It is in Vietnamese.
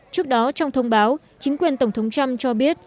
trước đó trong thông báo chính quyền tổng thống trump cho biết